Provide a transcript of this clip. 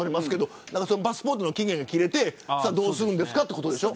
パスポートの期限が切れてどうするんですかということでしょ。